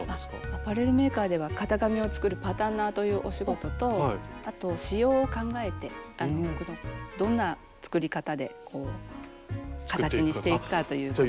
アパレルメーカーでは型紙を作るパタンナーというお仕事とあと仕様を考えて服のどんな作り方で形にしていくかということを。